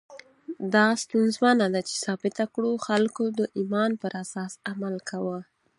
دا ستونزمنه ده چې ثابته کړو خلکو د ایمان پر اساس عمل کاوه.